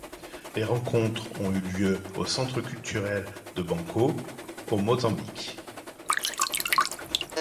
Les rencontres ont eu lieu au Centre culturel de Banco au Mozambique.